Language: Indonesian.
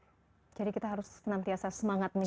jadi kita harus semangat mencari ilmu